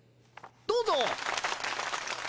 どうぞ！